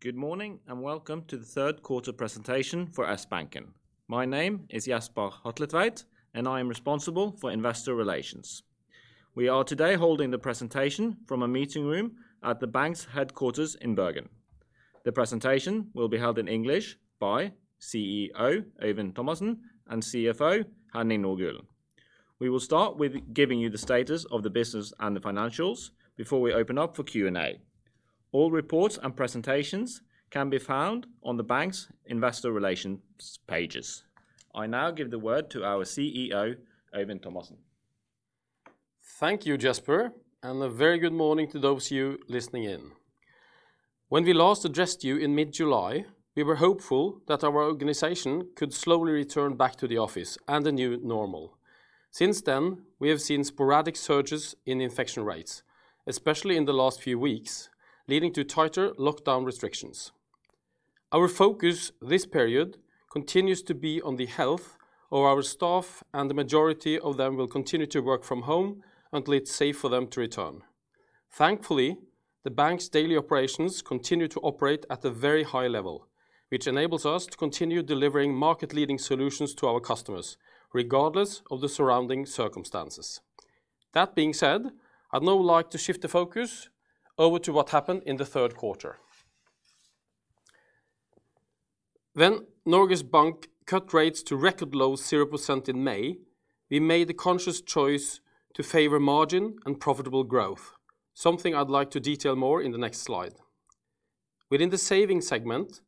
Good morning, welcome to the third quarter presentation for Sbanken. My name is Jesper Hatletveit, and I am responsible for investor relations. We are today holding the presentation from a meeting room at the bank's headquarters in Bergen. The presentation will be held in English by CEO Øyvind Thomassen and CFO Henning Nordgulen. We will start with giving you the status of the business and the financials before we open up for Q&A. All reports and presentations can be found on the bank's investor relations pages. I now give the word to our CEO, Øyvind Thomassen. Thank you, Jesper, and a very good morning to those of you listening in. When we last addressed you in mid-July, we were hopeful that our organization could slowly return back to the office and a new normal. Since then, we have seen sporadic surges in infection rates, especially in the last few weeks, leading to tighter lockdown restrictions. Our focus this period continues to be on the health of our staff, and the majority of them will continue to work from home until it's safe for them to return. Thankfully, the bank's daily operations continue to operate at a very high level, which enables us to continue delivering market leading solutions to our customers, regardless of the surrounding circumstances. That being said, I'd now like to shift the focus over to what happened in the third quarter. When Norges Bank cut rates to record low 0% in May, we made the conscious choice to favor margin and profitable growth, something I'd like to detail more in the next slide. Within the savings segment,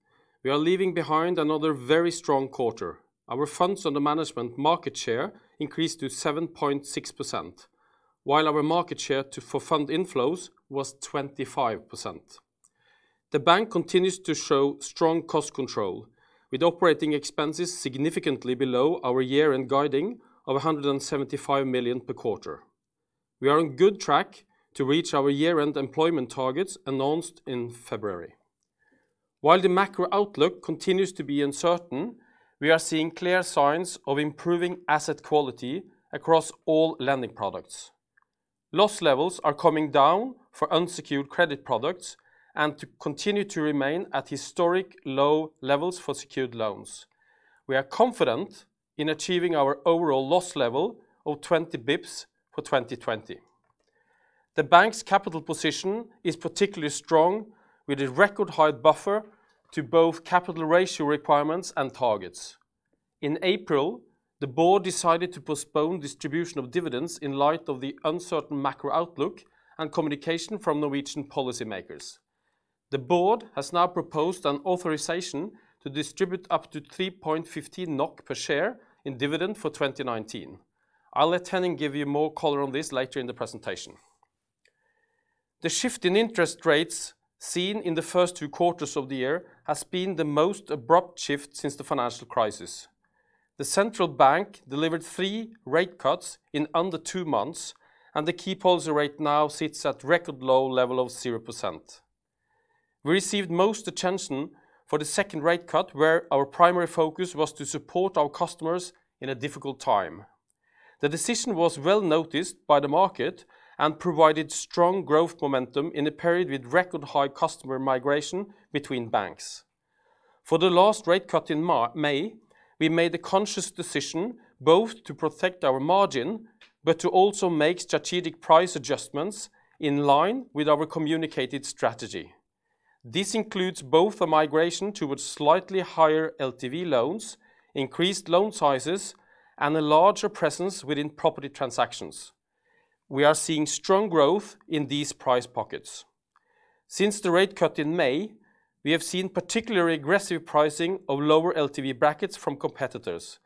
we are leaving behind another very strong quarter. Our funds under management market share increased to 7.6%, while our market share for fund inflows was 25%. The bank continues to show strong cost control, with operating expenses significantly below our year-end guiding of 175 million per quarter. We are on good track to reach our year-end employment targets announced in February. While the macro outlook continues to be uncertain, we are seeing clear signs of improving asset quality across all lending products. Loss levels are coming down for unsecured credit products and continue to remain at historic low levels for secured loans. We are confident in achieving our overall loss level of 20 basis points for 2020. The bank's capital position is particularly strong with a record high buffer to both capital ratio requirements and targets. In April, the board decided to postpone distribution of dividends in light of the uncertain macro outlook and communication from Norwegian policymakers. The board has now proposed an authorization to distribute up to 3.15 NOK per share in dividend for 2019. I'll let Henning give you more color on this later in the presentation. The shift in interest rates seen in the first two quarters of the year has been the most abrupt shift since the financial crisis. The central bank delivered three rate cuts in under two months, and the key policy rate now sits at record low level of 0%. We received most attention for the second rate cut, where our primary focus was to support our customers in a difficult time. The decision was well noticed by the market and provided strong growth momentum in a period with record high customer migration between banks. For the last rate cut in May, we made the conscious decision both to protect our margin, but to also make strategic price adjustments in line with our communicated strategy. This includes both a migration towards slightly higher LTV loans, increased loan sizes, and a larger presence within property transactions. We are seeing strong growth in these price pockets. Since the rate cut in May, we have seen particularly aggressive pricing of lower LTV brackets from competitors,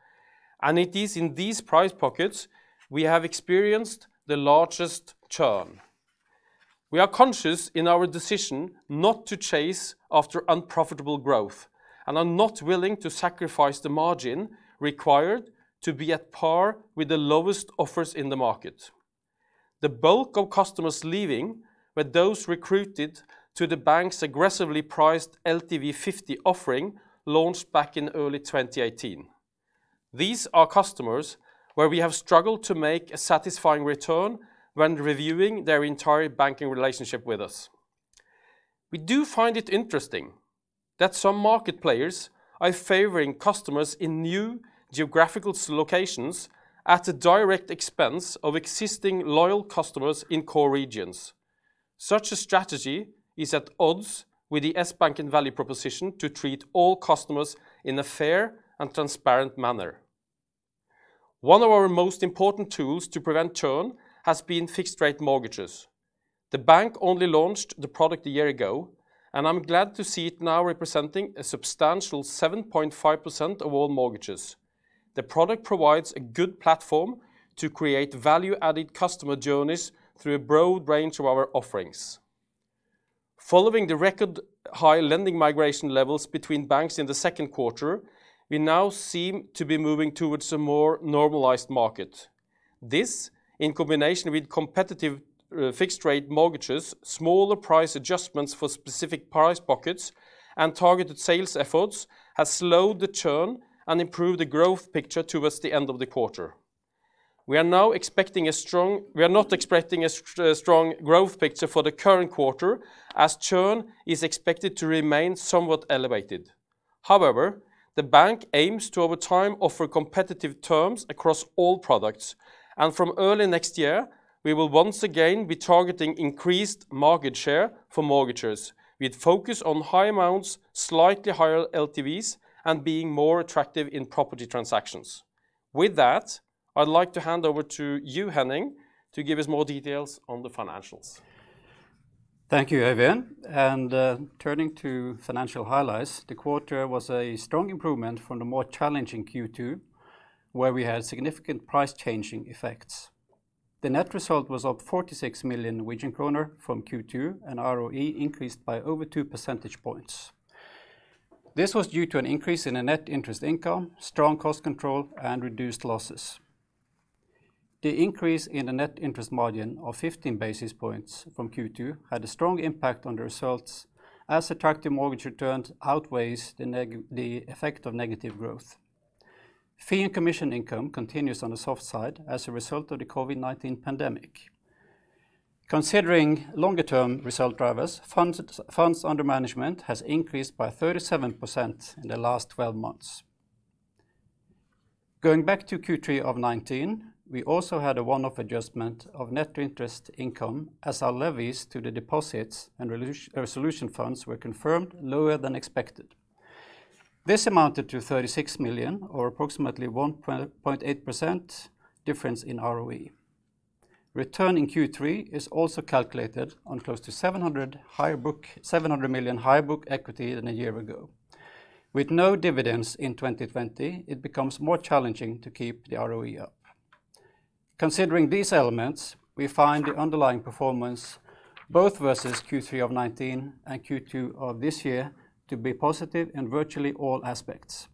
and it is in these price pockets we have experienced the largest churn. We are conscious in our decision not to chase after unprofitable growth and are not willing to sacrifice the margin required to be at par with the lowest offers in the market. The bulk of customers leaving were those recruited to the bank's aggressively priced LTV 50 offering launched back in early 2018. These are customers where we have struggled to make a satisfying return when reviewing their entire banking relationship with us. We do find it interesting that some market players are favoring customers in new geographical locations at the direct expense of existing loyal customers in core regions. Such a strategy is at odds with the Sbanken value proposition to treat all customers in a fair and transparent manner. One of our most important tools to prevent churn has been fixed rate mortgages. The bank only launched the product one year ago, and I'm glad to see it now representing a substantial 7.5% of all mortgages. The product provides a good platform to create value added customer journeys through a broad range of our offerings. Following the record high lending migration levels between banks in the second quarter, we now seem to be moving towards a more normalized market. This, in combination with competitive fixed rate mortgages, smaller price adjustments for specific price pockets, and targeted sales efforts, has slowed the churn and improved the growth picture towards the end of the quarter. We are not expecting a strong growth picture for the current quarter, as churn is expected to remain somewhat elevated. However, the bank aims to over time offer competitive terms across all products, and from early next year, we will once again be targeting increased market share for mortgages, with focus on high amounts, slightly higher LTVs, and being more attractive in property transactions. With that, I'd like to hand over to you, Henning, to give us more details on the financials. Thank you, Øyvind. Turning to financial highlights, the quarter was a strong improvement from the more challenging Q2, where we had significant price changing effects. The net result was up 46 million kroner from Q2, and ROE increased by over 2 percentage points. This was due to an increase in the net interest income, strong cost control, and reduced losses. The increase in the net interest margin of 15 basis points from Q2 had a strong impact on the results, as attractive mortgage returns outweighs the effect of negative growth. Fee and commission income continues on the soft side as a result of the COVID-19 pandemic. Considering longer term result drivers, funds under management has increased by 37% in the last 12 months. Going back to Q3 of 2019, we also had a one-off adjustment of net interest income as our levies to the deposits and resolution funds were confirmed lower than expected. This amounted to 36 million, or approximately 1.8% difference in ROE. Return in Q3 is also calculated on close to 700 million higher book equity than a year ago. With no dividends in 2020, it becomes more challenging to keep the ROE up. Considering these elements, we find the underlying performance both versus Q3 of 2019 and Q2 of this year to be positive in virtually all aspects.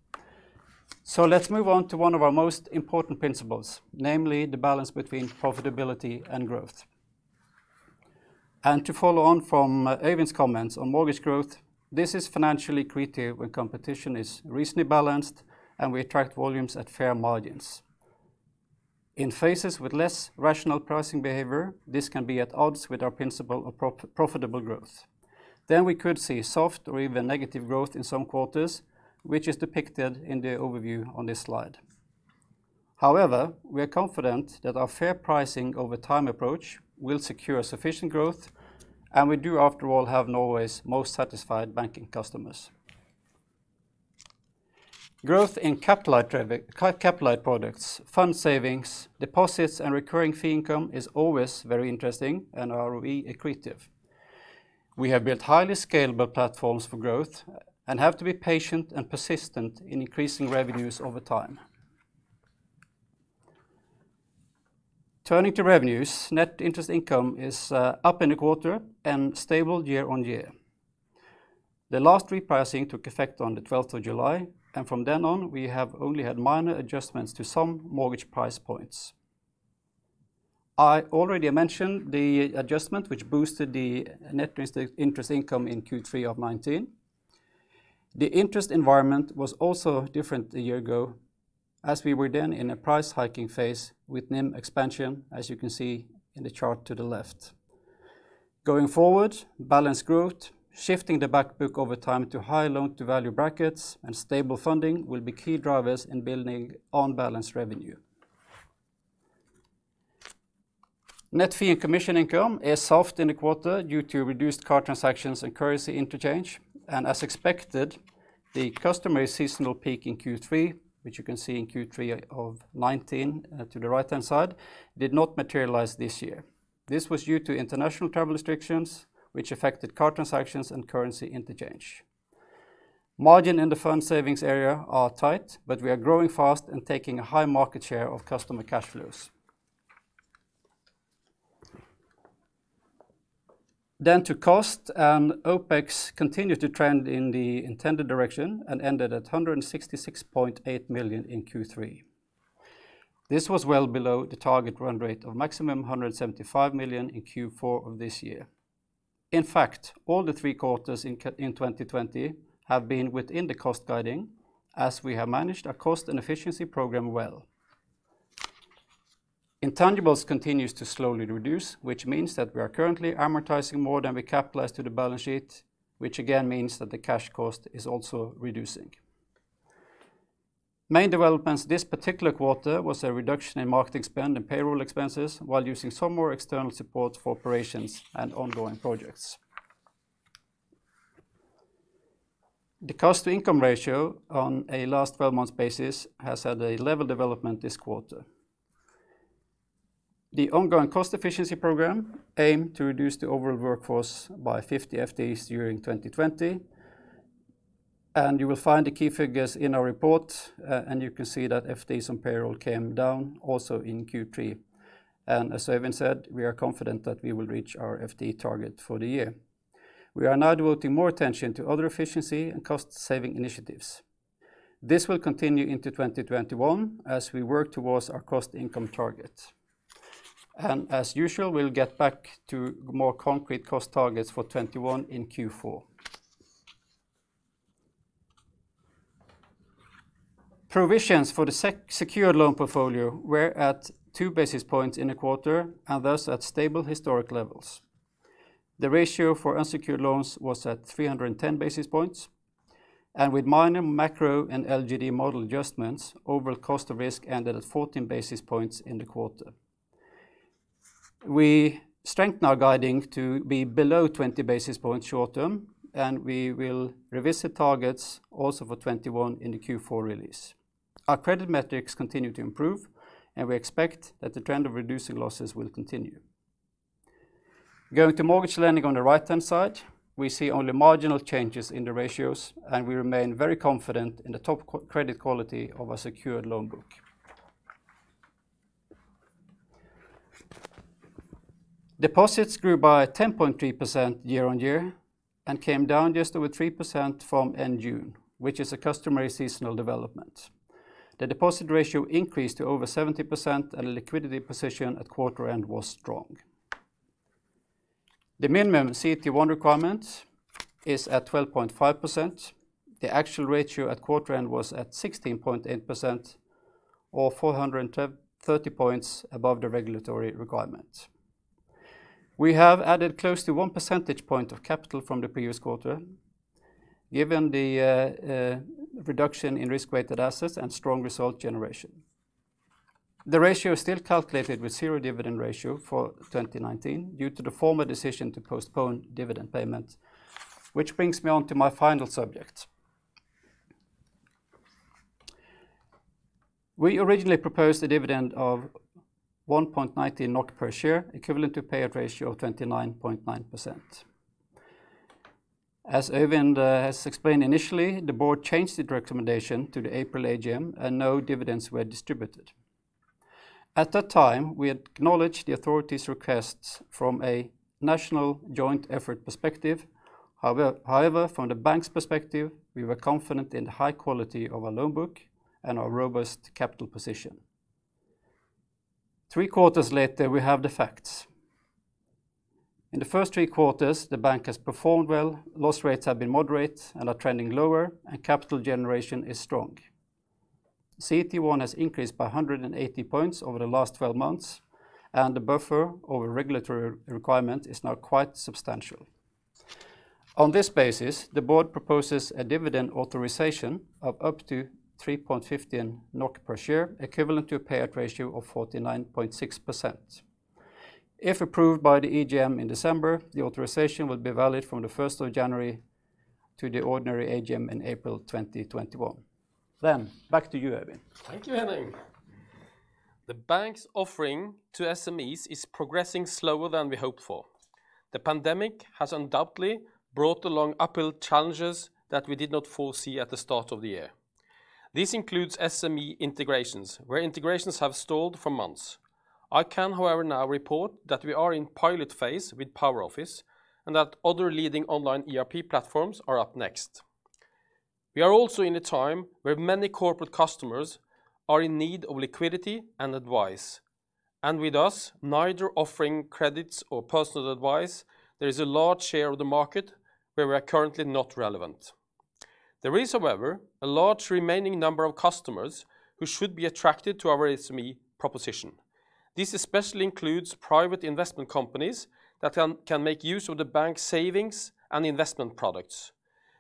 Let's move on to one of our most important principles, namely the balance between profitability and growth. To follow on from Øyvind's comments on mortgage growth, this is financially accretive when competition is reasonably balanced, and we attract volumes at fair margins. In phases with less rational pricing behavior, this can be at odds with our principle of profitable growth. We could see soft or even negative growth in some quarters, which is depicted in the overview on this slide. However, we are confident that our fair pricing over time approach will secure sufficient growth, and we do after all have Norway's most satisfied banking customers. Growth in capital light products, fund savings, deposits, and recurring fee income is always very interesting and ROE accretive. We have built highly scalable platforms for growth and have to be patient and persistent in increasing revenues over time. Turning to revenues, net interest income is up in the quarter and stable year-on-year. The last repricing took effect on the 12th of July, and from then on, we have only had minor adjustments to some mortgage price points. I already mentioned the adjustment which boosted the net interest income in Q3 of 2019. The interest environment was also different a year ago as we were then in a price hiking phase with NIM expansion, as you can see in the chart to the left. Going forward, balanced growth, shifting the back book over time to high loan-to-value brackets, and stable funding will be key drivers in building on-balance revenue. Net fee and commission income is soft in the quarter due to reduced card transactions and currency interchange, and as expected, the customary seasonal peak in Q3, which you can see in Q3 of 2019 to the right-hand side, did not materialize this year. This was due to international travel restrictions, which affected card transactions and currency interchange. Margin in the fund savings area are tight. We are growing fast and taking a high market share of customer cash flows. Cost and OpEx continued to trend in the intended direction and ended at 166.8 million in Q3. This was well below the target run rate of maximum 175 million in Q4 of this year. In fact, all the three quarters in 2020 have been within the cost guiding as we have managed our cost and efficiency program well. Intangibles continues to slowly reduce, which means that we are currently amortizing more than we capitalize to the balance sheet, which again means that the cash cost is also reducing. Main developments this particular quarter was a reduction in marketing spend and payroll expenses while using some more external support for operations and ongoing projects. The cost-to-income ratio on a last 12 months basis has had a level development this quarter. The ongoing cost efficiency program aimed to reduce the overall workforce by 50 FTEs during 2020. You will find the key figures in our report, you can see that FTEs on payroll came down also in Q3. As Øyvind said, we are confident that we will reach our FTE target for the year. We are now devoting more attention to other efficiency and cost-saving initiatives. This will continue into 2021 as we work towards our cost income target. As usual, we'll get back to more concrete cost targets for 2021 in Q4. Provisions for the secured loan portfolio were at two basis points in the quarter and thus at stable historic levels. The ratio for unsecured loans was at 310 basis points. With minor macro and LGD model adjustments, overall cost of risk ended at 14 basis points in the quarter. We strengthen our guiding to be below 20 basis points short term. We will revisit targets also for 2021 in the Q4 release. Our credit metrics continue to improve. We expect that the trend of reducing losses will continue. Going to mortgage lending on the right-hand side, we see only marginal changes in the ratios. We remain very confident in the top credit quality of our secured loan book. Deposits grew by 10.3% year-on-year and came down just over 3% from end June, which is a customary seasonal development. The deposit ratio increased to over 70%. Liquidity position at quarter end was strong. The minimum CET1 requirement is at 12.5%. The actual ratio at quarter end was at 16.8% or 430 points above the regulatory requirement. We have added close to one percentage point of capital from the previous quarter given the reduction in risk-weighted assets and strong result generation. The ratio is still calculated with zero dividend ratio for 2019 due to the former decision to postpone dividend payment, which brings me onto my final subject. We originally proposed a dividend of 1.19 NOK per share, equivalent to payout ratio of 29.9%. As Øyvind has explained initially, the board changed its recommendation to the April AGM and no dividends were distributed. At that time, we acknowledged the authority's requests from a national joint effort perspective. However, from the bank's perspective, we were confident in the high quality of our loan book and our robust capital position. Three quarters later, we have the facts. In the first three quarters, the bank has performed well, loss rates have been moderate and are trending lower, and capital generation is strong. CET1 has increased by 180 points over the last 12 months, and the buffer over regulatory requirement is now quite substantial. On this basis, the board proposes a dividend authorization of up to 3.15 NOK per share, equivalent to a payout ratio of 49.6%. If approved by the EGM in December, the authorization will be valid from the 1st of January to the ordinary AGM in April 2021. Back to you, Øyvind. Thank you, Henning. The bank's offering to SMEs is progressing slower than we hoped for. The pandemic has undoubtedly brought along uphill challenges that we did not foresee at the start of the year. This includes SME integrations where integrations have stalled for months. I can, however, now report that we are in pilot phase with PowerOffice and that other leading online ERP platforms are up next. With us neither offering credits or personal advice, there is a large share of the market where we are currently not relevant. There is, however, a large remaining number of customers who should be attracted to our SME proposition. This especially includes private investment companies that can make use of the bank savings and investment products.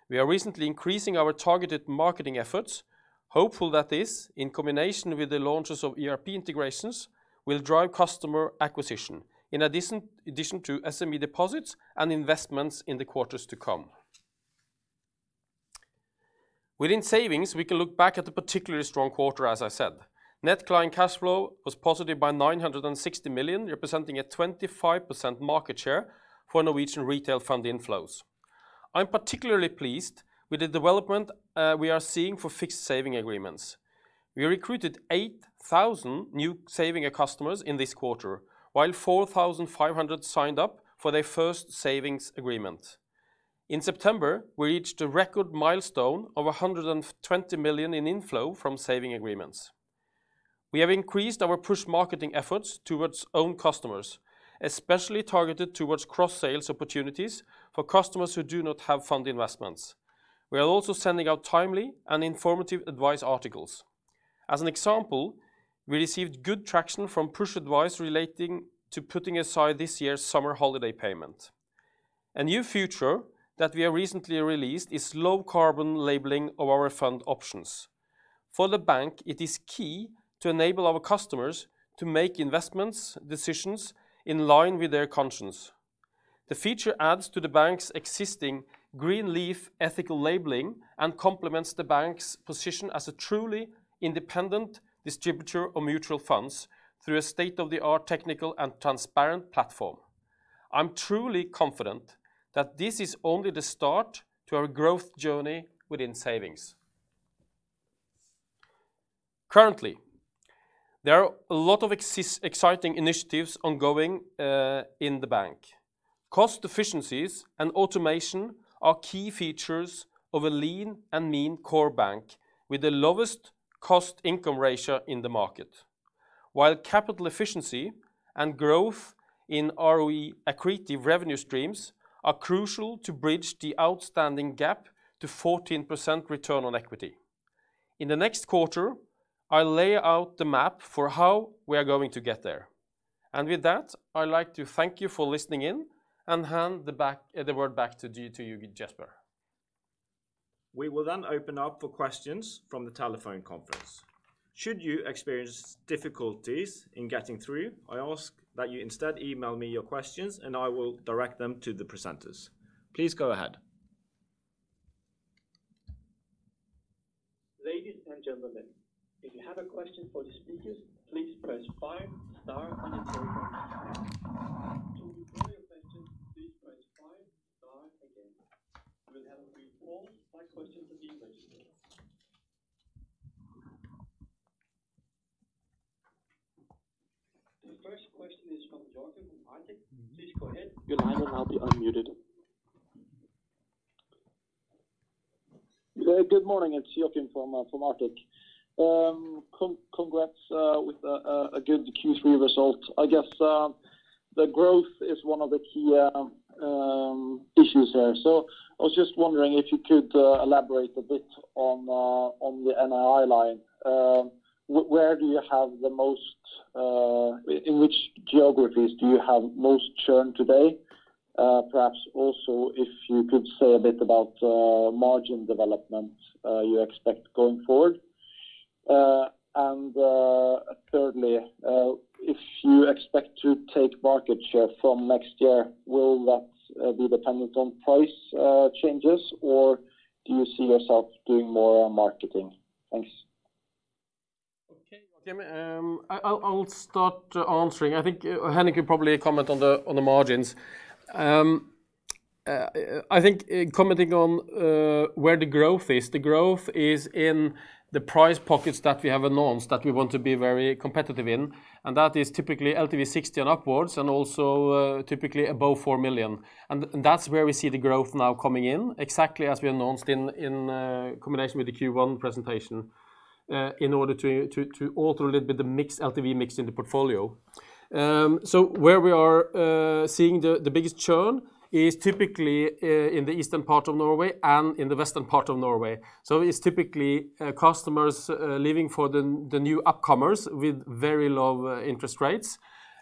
We are recently increasing our targeted marketing efforts, hopeful that this, in combination with the launches of ERP integrations, will drive customer acquisition in addition to SME deposits and investments in the quarters to come. Within savings, we can look back at a particularly strong quarter, as I said. Net client cash flow was positive by 960 million, representing a 25% market share for Norwegian retail fund inflows. I'm particularly pleased with the development we are seeing for fixed saving agreements. We recruited 8,000 new saving customers in this quarter, while 4,500 signed up for their first savings agreement. In September, we reached a record milestone of 120 million in inflow from saving agreements. We have increased our push marketing efforts towards own customers, especially targeted towards cross-sales opportunities for customers who do not have fund investments. We are also sending out timely and informative advice articles. As an example, we received good traction from push advice relating to putting aside this year's summer holiday payment. A new feature that we have recently released is low carbon labeling of our fund options. For the bank, it is key to enable our customers to make investment decisions in line with their conscience. The feature adds to the bank's existing green leaf ethical labeling and complements the bank's position as a truly independent distributor of mutual funds through a state-of-the-art technical and transparent platform. I'm truly confident that this is only the start to our growth journey within savings. Currently, there are a lot of exciting initiatives ongoing in the bank. Cost efficiencies and automation are key features of a lean and mean core bank with the lowest cost-income ratio in the market. Capital efficiency and growth in ROE accretive revenue streams are crucial to bridge the outstanding gap to 14% return on equity. In the next quarter, I'll lay out the map for how we are going to get there. With that, I'd like to thank you for listening in and hand the word back to you, Jesper. We will then open up for questions from the telephone conference. Should you experience difficulties in getting through, I ask that you instead email me your questions and I will direct them to the presenters. Please go ahead. Ladies and gentlemen, if you have a question for the speakers, please press five, star on your telephone. To withdraw your question, please press five, star again. We'll have all five questions in the queue. The first question is from Joakim from Arctic. Please go ahead. Good morning. I'll be unmuted. Good morning. It's Joakim from Arctic. Congrats with a good Q3 result. I guess the growth is one of the key issues here. I was just wondering if you could elaborate a bit on the NII line. In which geographies do you have most churn today? Perhaps also if you could say a bit about margin development you expect going forward. Thirdly, if you expect to take market share from next year, will that be dependent on price changes, or do you see yourself doing more on marketing? Thanks. Okay, Joakim. I'll start answering. I think Henning can probably comment on the margins. I think commenting on where the growth is, the growth is in the price pockets that we have announced that we want to be very competitive in. That is typically LTV 60 and upwards and also typically above 4 million. That's where we see the growth now coming in, exactly as we announced in combination with the Q1 presentation, in order to alter a little bit the LTV mix in the portfolio. Where we are seeing the biggest churn is typically in the eastern part of Norway and in the western part of Norway. It's typically customers leaving for the new upcomers with very low interest rates.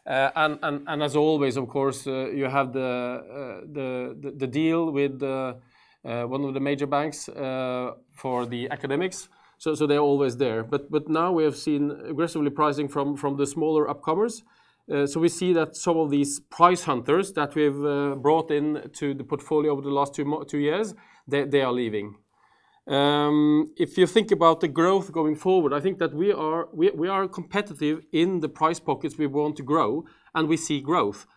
As always, of course, you have the deal with one of the major banks for the academics. They're always there. Now we have seen aggressive repricing from the smaller upcomers. We see that some of these price hunters that we've brought into the portfolio over the last two years, they are leaving. If you think about the growth going forward, I think that we are competitive in the price pockets we want to grow, and we see growth.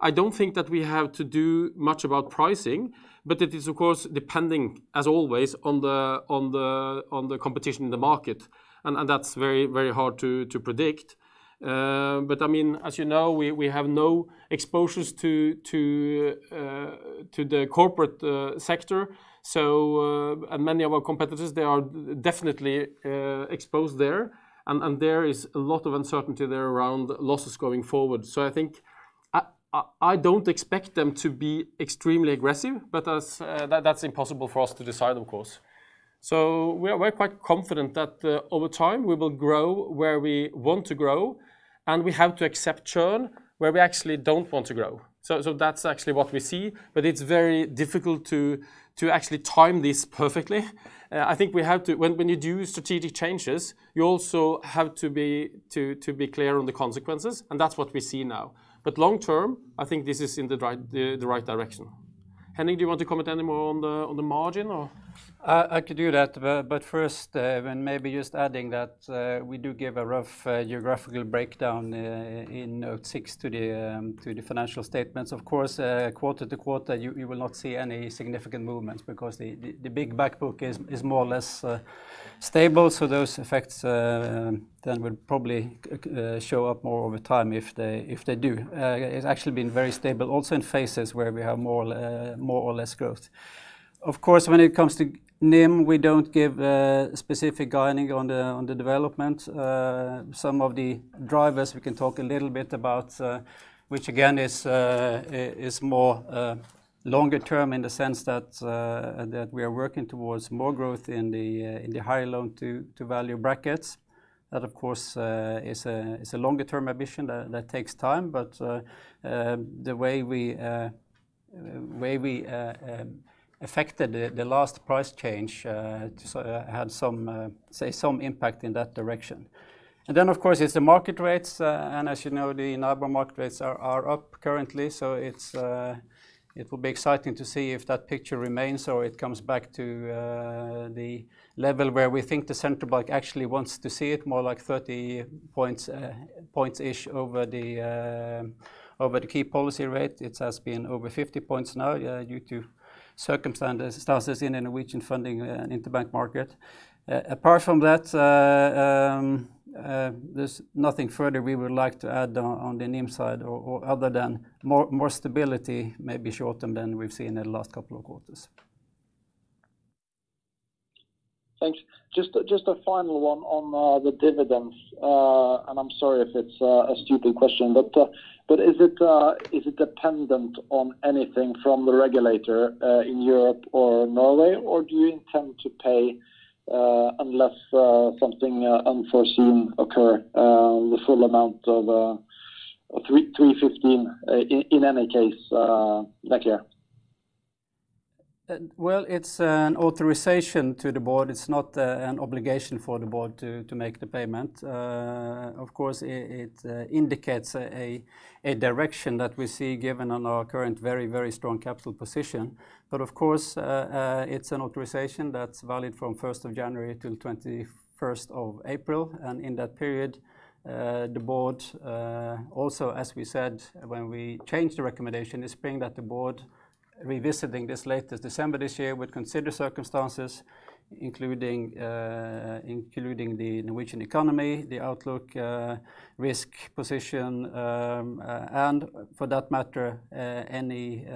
I don't think that we have to do much about pricing, but it is, of course, depending, as always, on the competition in the market, and that's very hard to predict. As you know, we have no exposures to the corporate sector. Many of our competitors, they are definitely exposed there, and there is a lot of uncertainty there around losses going forward. I don't expect them to be extremely aggressive, but that's impossible for us to decide, of course. We're quite confident that over time we will grow where we want to grow, and we have to accept churn where we actually don't want to grow. That's actually what we see, but it's very difficult to actually time this perfectly. I think when you do strategic changes, you also have to be clear on the consequences, and that's what we see now. Long term, I think this is in the right direction. Henning, do you want to comment any more on the margin or? I could do that. First, maybe just adding that we do give a rough geographical breakdown in note six to the financial statements. Of course, quarter to quarter, you will not see any significant movements because the big back book is more or less stable. Those effects then would probably show up more over time if they do. It's actually been very stable also in phases where we have more or less growth. Of course, when it comes to NIM, we don't give specific guiding on the development. Some of the drivers we can talk a little bit about, which again is more longer term in the sense that we are working towards more growth in the higher loan to value brackets. That of course, is a longer term ambition that takes time, but the way we affected the last price change had, say, some impact in that direction. Of course, it's the market rates. As you know, the NIBOR market rates are up currently. It will be exciting to see if that picture remains or it comes back to the level where we think the central bank actually wants to see it more like 30 points over the key policy rate. It has been over 50 points now due to circumstances in Norwegian funding and interbank market. Apart from that, there's nothing further we would like to add on the NIM side other than more stability, maybe short term than we've seen in the last couple of quarters. Thanks. Just a final one on the dividends. I'm sorry if it's a stupid question, is it dependent on anything from the regulator in Europe or Norway, or do you intend to pay, unless something unforeseen occur, the full amount of 3.15 in any case next year? Well, it's an authorization to the board. It's not an obligation for the board to make the payment. Of course, it indicates a direction that we see given on our current very, very strong capital position. Of course, it's an authorization that's valid from 1st of January till 21st of April. In that period, the board also, as we said when we changed the recommendation in spring, that the board revisiting this latest December this year would consider circumstances including the Norwegian economy, the outlook, risk position, and for that matter, any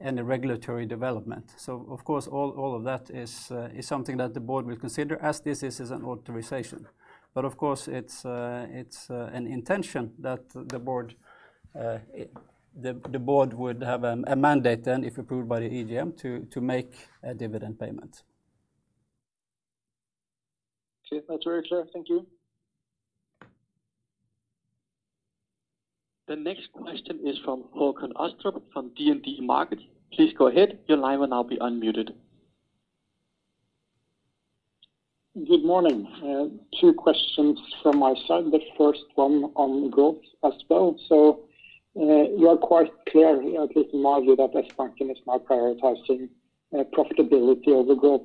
regulatory development. Of course, all of that is something that the board will consider as this is an authorization. Of course, it's an intention that the board would have a mandate then, if approved by the AGM, to make a dividend payment. Okay. That's very clear. Thank you. The next question is from Håkon Astrup from DNB Markets. Please go ahead. Good morning. Two questions from my side. The first one on growth as well. You are quite clear here, at least in my view, that Sbanken is now prioritizing profitability over growth.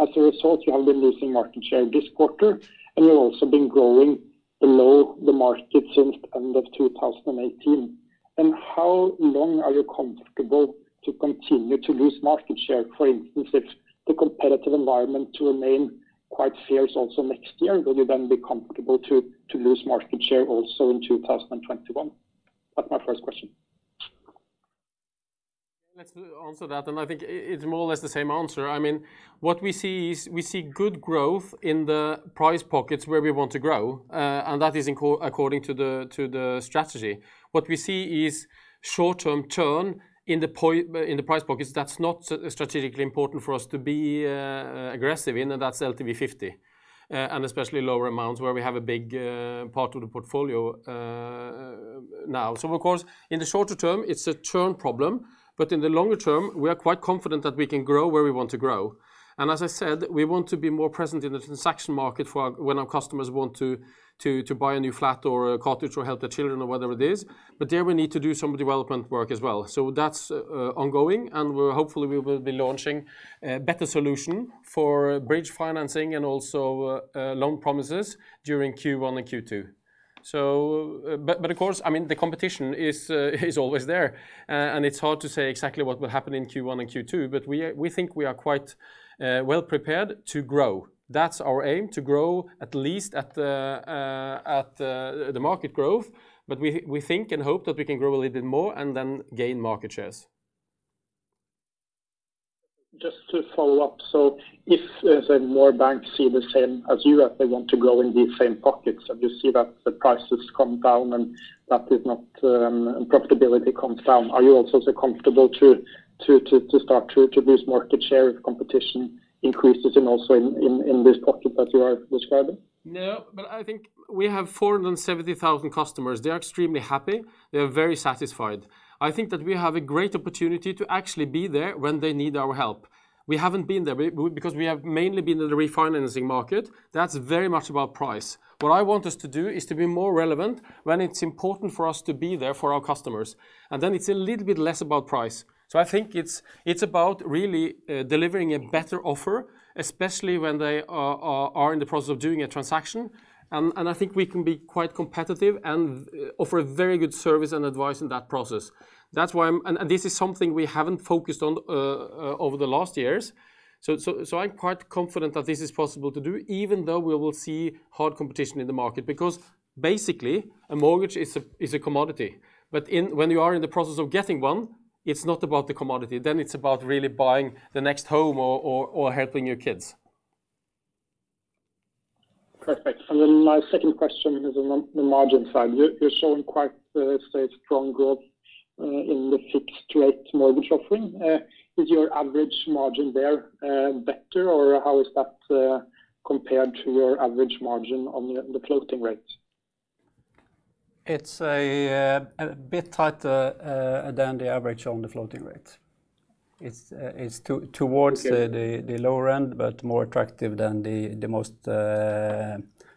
As a result, you have been losing market share this quarter, and you've also been growing below the market since the end of 2018. How long are you comfortable to continue to lose market share, for instance, if the competitive environment to remain quite fierce also next year? Will you then be comfortable to lose market share also in 2021? That's my first question. Let's answer that, and I think it's more or less the same answer. What we see is we see good growth in the price pockets where we want to grow, and that is according to the strategy. What we see is short-term churn in the price pockets that's not strategically important for us to be aggressive in, and that's LTV 50, and especially lower amounts where we have a big part of the portfolio now. Of course, in the shorter term, it's a churn problem, but in the longer term, we are quite confident that we can grow where we want to grow. As I said, we want to be more present in the transaction market for when our customers want to buy a new flat or a cottage or help their children or whatever it is. There we need to do some development work as well. That's ongoing, and hopefully we will be launching a better solution for bridge financing and also loan promises during Q1 and Q2. Of course, the competition is always there, and it's hard to say exactly what will happen in Q1 and Q2. We think we are quite well prepared to grow. That's our aim, to grow at least at the market growth. We think and hope that we can grow a little bit more and then gain market shares. Just to follow up. If, say, more banks see the same as you that they want to grow in these same pockets and you see that the prices come down and profitability comes down, are you also comfortable to start to lose market share if competition increases and also in this pocket that you are describing? I think we have 470,000 customers. They are extremely happy. They are very satisfied. I think that we have a great opportunity to actually be there when they need our help. We haven't been there because we have mainly been in the refinancing market. That's very much about price. What I want us to do is to be more relevant when it's important for us to be there for our customers. It's a little bit less about price. I think it's about really delivering a better offer, especially when they are in the process of doing a transaction. I think we can be quite competitive and offer a very good service and advice in that process. This is something we haven't focused on over the last years, so I'm quite confident that this is possible to do, even though we will see hard competition in the market, because basically, a mortgage is a commodity. When you are in the process of getting one, it's not about the commodity, then it's about really buying the next home or helping your kids. Perfect. My second question is on the margin side. You're showing quite, let's say, strong growth in the fixed rate mortgage offering. Is your average margin there better, or how is that compared to your average margin on the floating rate? It's a bit tighter than the average on the floating rate. It's towards the lower end, but more attractive than the most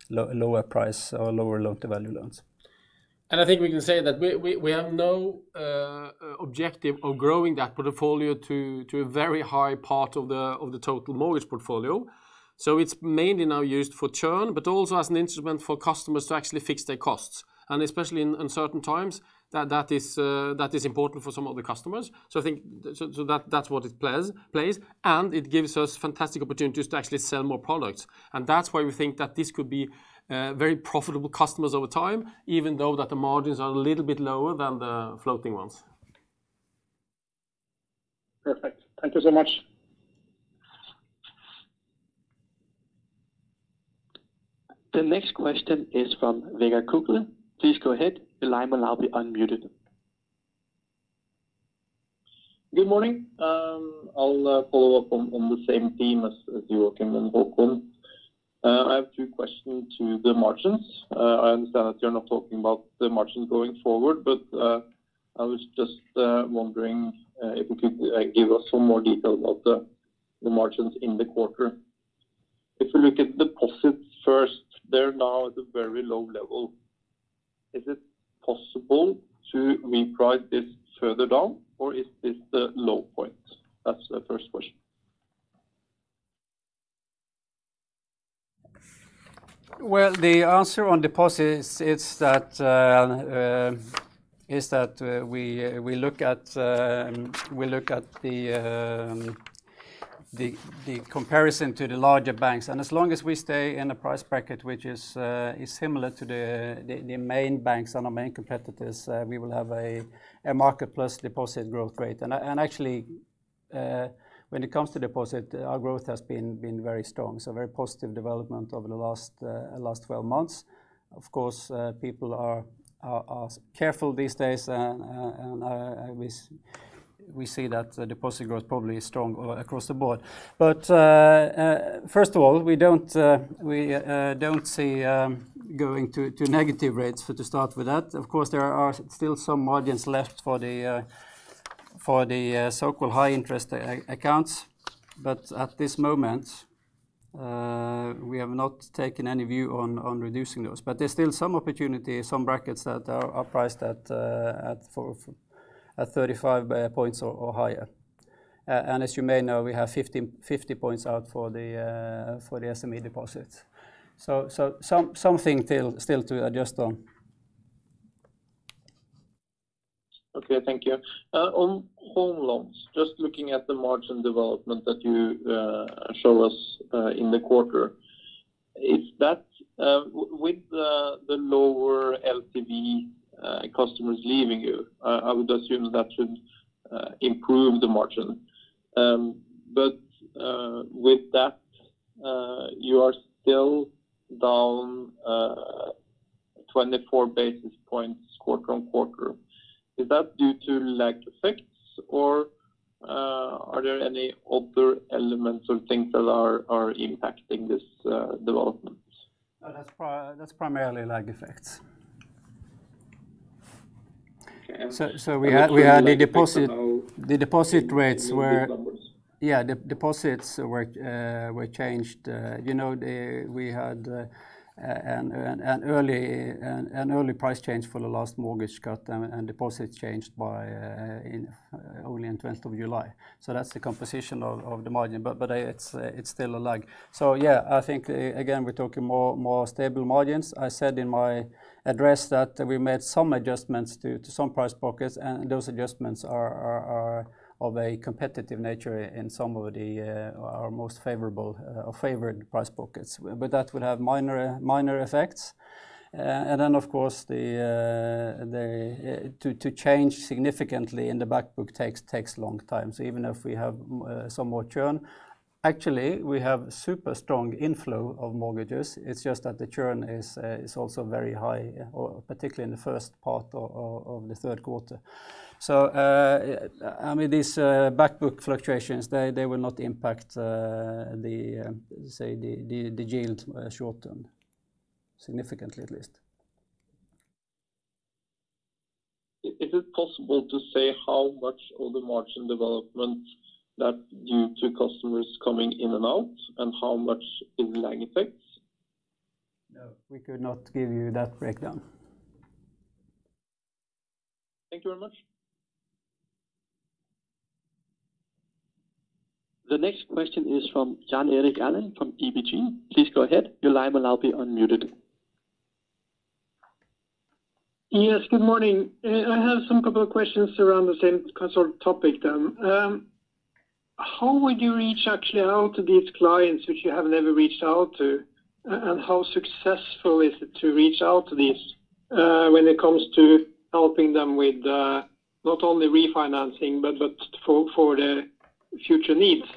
lower price or lower loan-to-value loans. I think we can say that we have no objective of growing that portfolio to a very high part of the total mortgage portfolio. It's mainly now used for churn, but also as an instrument for customers to actually fix their costs. Especially in uncertain times, that is important for some of the customers. I think that's what it plays, and it gives us fantastic opportunities to actually sell more products. That's why we think that this could be very profitable customers over time, even though that the margins are a little bit lower than the floating ones. Perfect. Thank you so much. The next question is from Vegard Toverud. Please go ahead. Your line will now be unmuted. Good morning. I'll follow up on the same theme as Joakim and Håkon. I have two questions to the margins. I understand that you're not talking about the margins going forward, but I was just wondering if you could give us some more detail about the margins in the quarter. If you look at deposits first, they're now at a very low level. Is it possible to reprice this further down, or is this the low point? That's the first question. Well, the answer on deposits is that we look at the comparison to the larger banks, and as long as we stay in a price bracket which is similar to the main banks and our main competitors, we will have a market plus deposit growth rate. Actually, when it comes to deposit, our growth has been very strong, so very positive development over the last 12 months. Of course, people are careful these days, and we see that deposit growth probably is strong across the board. First of all, we don't see going to negative rates, to start with that. Of course, there are still some margins left for the so-called high-interest accounts. At this moment, we have not taken any view on reducing those. There's still some opportunity, some brackets that are priced at 35 points or higher. As you may know, we have 50 points out for the SME deposits. Something still to adjust on. Okay, thank you. On home loans, just looking at the margin development that you show us in the quarter. With the lower LTV customers leaving you, I would assume that should improve the margin. With that, you are still down 24 basis points quarter-on-quarter. Is that due to lag effects, or are there any other elements or things that are impacting this development? No, that's primarily lag effects. So we had the deposit- The deposit rates were- Deposits were changed. We had an early price change for the last mortgage cut, and deposits changed only on the 20th of July. That's the composition of the margin, but it's still a lag. I think, again, we're talking more stable margins. I said in my address that we made some adjustments to some price brackets, and those adjustments are of a competitive nature in some of our most favored price brackets. That would have minor effects. Of course, to change significantly in the back book takes a long time. Even if we have some more churn, actually, we have super strong inflow of mortgages. It's just that the churn is also very high, particularly in the first part of the third quarter. These back book fluctuations, they will not impact the yield short term, significantly at least. Is it possible to say how much of the margin development that due to customers coming in and out, and how much is lag effects? No, we could not give you that breakdown. Thank you very much. The next question is from Jan Erik Gjerland from ABG. Please go ahead. Yes, good morning. I have some couple of questions around the same sort of topic, then. How would you reach actually out to these clients which you have never reached out to? How successful is it to reach out to these, when it comes to helping them with not only refinancing, but for the future needs?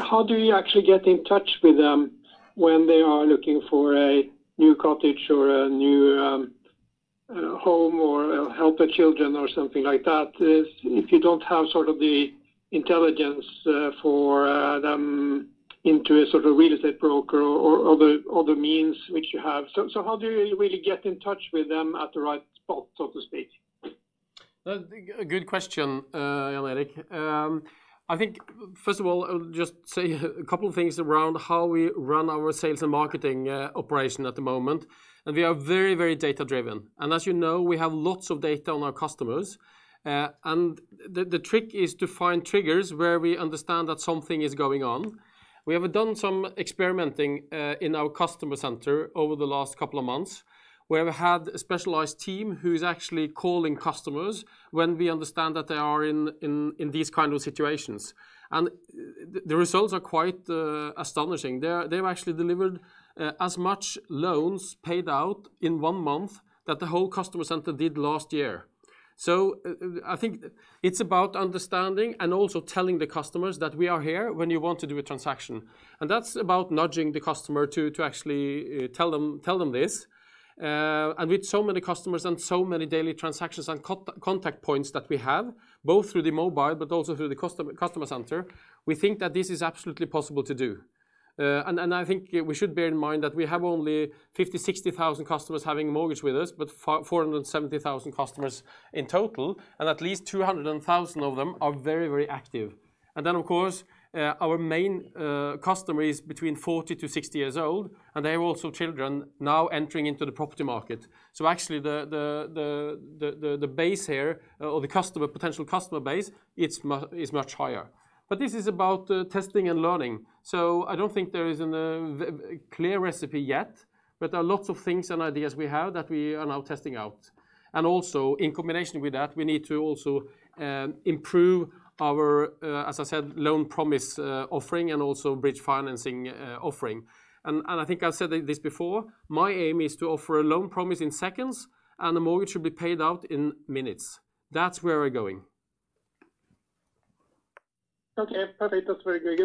How do you actually get in touch with them when they are looking for a new cottage or a new home or help their children or something like that, if you don't have the intelligence for them into a real estate broker or other means which you have? How do you really get in touch with them at the right spot, so to speak? That's a good question, Jan Erik. I think, first of all, I'll just say a couple of things around how we run our sales and marketing operation at the moment, we are very data driven. As you know, we have lots of data on our customers. The trick is to find triggers where we understand that something is going on. We have done some experimenting in our customer center over the last couple of months, where we had a specialized team who's actually calling customers when we understand that they are in these kind of situations. The results are quite astonishing. They've actually delivered as much loans paid out in one month that the whole customer center did last year. I think it's about understanding and also telling the customers that we are here when you want to do a transaction, and that's about nudging the customer to actually tell them this. With so many customers and so many daily transactions and contact points that we have, both through the mobile but also through the customer center, we think that this is absolutely possible to do. I think we should bear in mind that we have only 50,000, 60,000 customers having a mortgage with us, but 470,000 customers in total, and at least 200,000 of them are very active. Then, of course, our main customer is between 40 to 60 years old, and they have also children now entering into the property market. Actually, the base here or the potential customer base is much higher. This is about testing and learning. I don't think there is a clear recipe yet, but there are lots of things and ideas we have that we are now testing out. Also in combination with that, we need to also improve our, as I said, loan promise offering and also bridge financing offering. I think I've said this before, my aim is to offer a loan promise in seconds and the mortgage should be paid out in minutes. That's where we're going. Perfect. That's very good.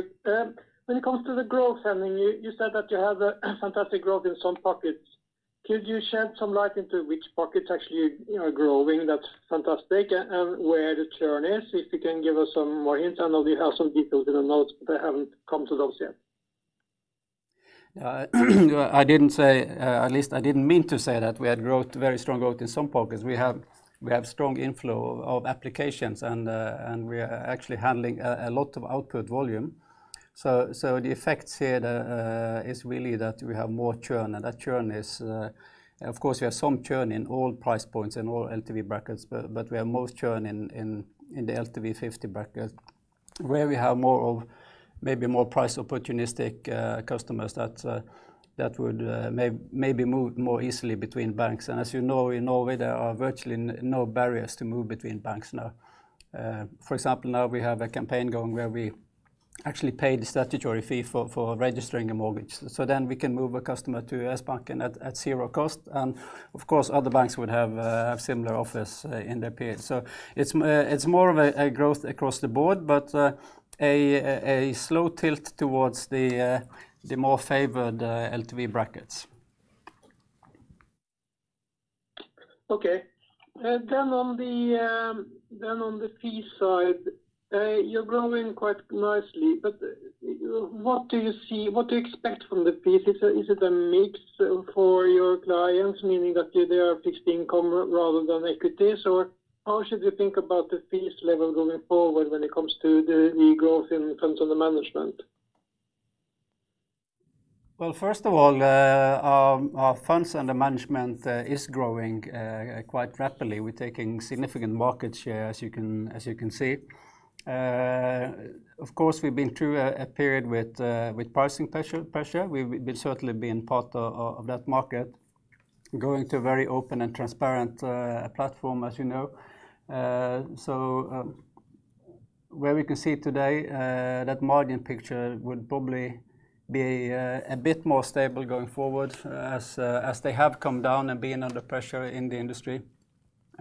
When it comes to the growth, Henning, you said that you have a fantastic growth in some pockets. Could you shed some light into which pockets actually are growing that's fantastic and where the churn is? If you can give us some more hints. I know you have some details in the notes, but I haven't come to those yet. At least I didn't mean to say that we had very strong growth in some pockets. We have strong inflow of applications and we are actually handling a lot of output volume. The effects here is really that we have more churn. Of course, we have some churn in all price points, in all LTV brackets, but we are most churn in the LTV 50 bracket, where we have maybe more price opportunistic customers that would maybe move more easily between banks. As you know, in Norway, there are virtually no barriers to move between banks now. For example, now we have a campaign going where we actually pay the statutory fee for registering a mortgage. We can move a customer to Sbanken at zero cost, and of course, other banks would have similar offers in their period. It's more of a growth across the board, but a slow tilt towards the more favored LTV brackets. On the fee side, you're growing quite nicely. What do you expect from the fees? Is it a mix for your clients, meaning that they are fixed income rather than equities? How should you think about the fees level going forward when it comes to the growth in funds under management? Well, first of all, our funds under management is growing quite rapidly. We're taking significant market share, as you can see. Of course, we've been through a period with pricing pressure. We've certainly been part of that market going to a very open and transparent platform, as you know. We can see today, that margin picture would probably be a bit more stable going forward as they have come down and been under pressure in the industry.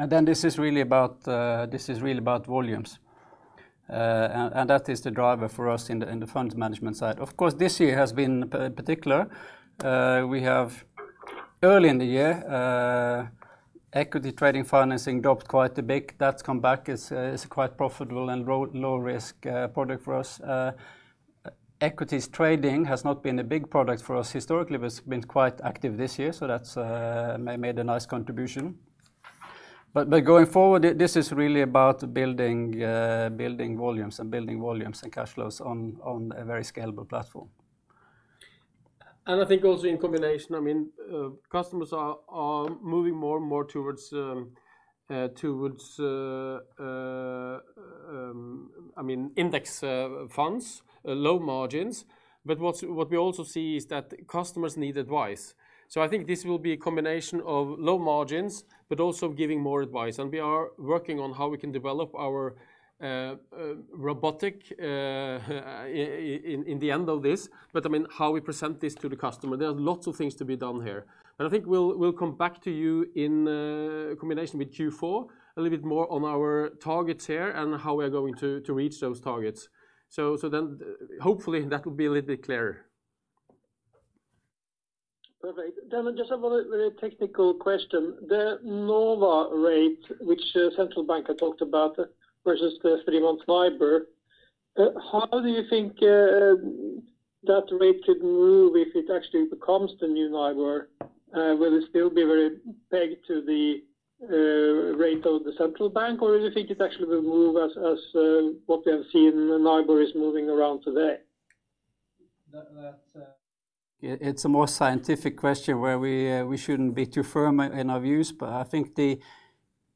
This is really about volumes, and that is the driver for us in the funds management side. Of course, this year has been particular. We have early in the year, equity trading financing dropped quite a bit. That's come back as a quite profitable and low risk product for us. Equities trading has not been a big product for us historically, but it's been quite active this year, so that's made a nice contribution. Going forward, this is really about building volumes and building volumes and cash flows on a very scalable platform. I think also in combination, customers are moving more and more towards index funds, low margins. What we also see is that customers need advice. I think this will be a combination of low margins, but also giving more advice. We are working on how we can develop our robotic in the end of this, but how we present this to the customer. There are lots of things to be done here. I think we'll come back to you in combination with Q4 a little bit more on our targets here and how we are going to reach those targets. Hopefully, that will be a little bit clearer. Perfect. Just have one very technical question. The NOWA rate, which central bank had talked about versus the three-month NIBOR, how do you think that rate could move if it actually becomes the new NIBOR? Will it still be very pegged to the rate of the central bank, or do you think it actually will move as what we have seen the NIBOR is moving around today? It's a more scientific question where we shouldn't be too firm in our views, but I think the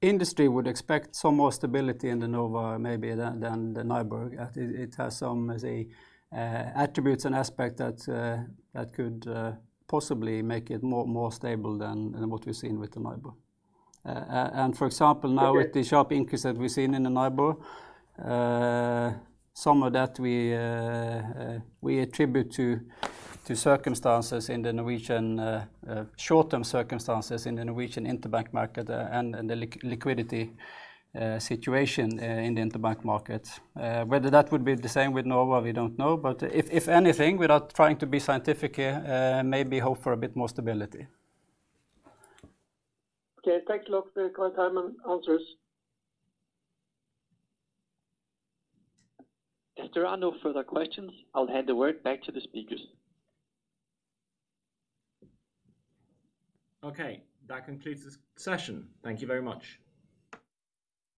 industry would expect some more stability in the NOWA maybe than the NIBOR. It has some, may say, attributes and aspect that could possibly make it more stable than what we've seen with the NIBOR. For example, now with the sharp increase that we've seen in the NIBOR, some of that we attribute to short-term circumstances in the Norwegian interbank market and the liquidity situation in the interbank market. Whether that would be the same with NOWA, we don't know. If anything, without trying to be scientific here, maybe hope for a bit more stability. Okay. Thanks a lot for your time and answers. If there are no further questions, I'll hand the word back to the speakers. Okay. That concludes this session. Thank you very much.